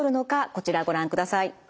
こちらご覧ください。